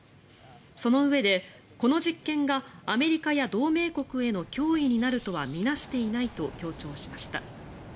そのうえでこの実験がアメリカや同盟国への脅威になるとは見なしていないと強調しました。